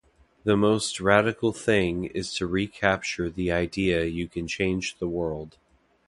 The most radical thing is to recapture the idea you can change the world.